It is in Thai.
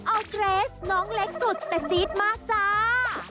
ออร์เกรสน้องเล็กสุดแต่ซีดมากจ้า